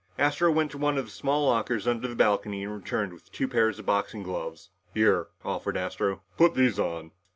Astro went to one of the small lockers under the balcony and returned with two pairs of boxing gloves. "Here," offered Astro, "put these on."